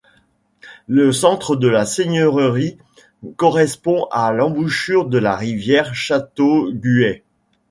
Le centre de la seigneurie correspond à l’embouchure de la rivière Châteauguay.